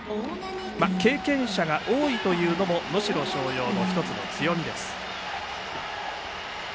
経験者が多いというのも能代松陽の１つの強みです。